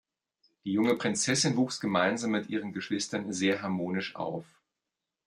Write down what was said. Die junge Prinzessin wuchs gemeinsam mit ihren Geschwistern sehr harmonisch auf.